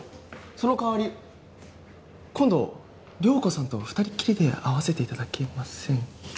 その代わり今度遼子さんと２人っきりで会わせていただけませんか？